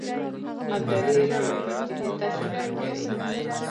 ابدالي اعلان وکړ چې هند ته سفر کوي.